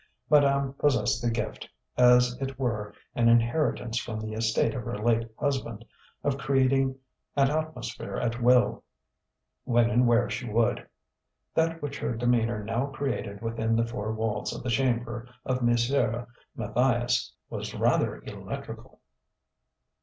Madame possessed the gift (as it were an inheritance from the estate of her late husband) of creating an atmosphere at will, when and where she would. That which her demeanour now created within the four walls of the chamber of Monsieur Matthias was rather electrical.